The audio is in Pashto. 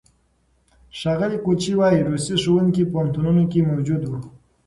ښاغلي کوچي وايي، روسي ښوونکي پوهنتونونو کې موجود وو.